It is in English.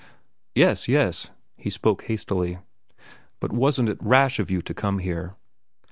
"Yes, yes." He spoke hastily. "But wasn't it rash of you to come here?"